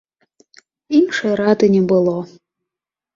Іншай рады не было.